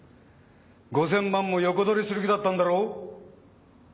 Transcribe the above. ５，０００万も横取りする気だったんだろ？